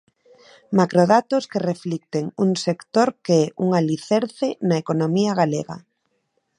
Macrodatos que reflicten un sector que é un alicerce na economía galega.